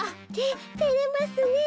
ててれますねえ。